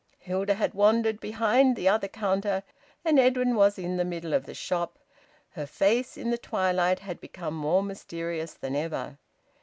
Hilda had wandered behind the other counter, and Edwin was in the middle of the shop. Her face in the twilight had become more mysterious than ever.